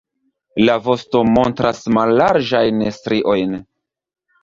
La vosto montras mallarĝajn striojn.